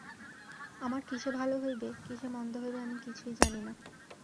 আমার কিসে ভালো হইবে, কিসে মন্দ হইবে আমি কিছুই জানি না।